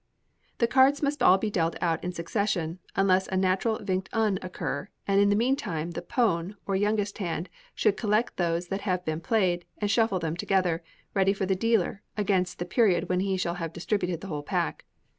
The cards must all be dealt out in succession, unless a natural Vingt un occur, and in the meantime the pone, or youngest hand, should collect those that have been played, and shuffle them together, ready for the dealer, against the period when he shall have distributed the whole pack.